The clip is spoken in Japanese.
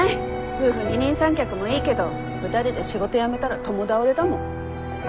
夫婦二人三脚もいいけど２人で仕事辞めたら共倒れだもん。